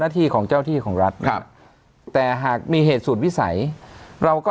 ที่ของเจ้าที่ของรัฐครับแต่หากมีเหตุสูตรวิสัยเราก็